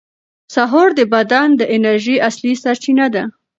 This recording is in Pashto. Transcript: سحور د بدن د انرژۍ اصلي سرچینه ده.